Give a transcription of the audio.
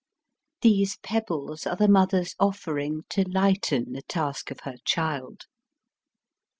These pebbles are the mother's oflfering to lighten the task of her child.